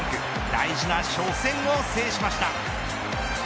大事な初戦を制しました。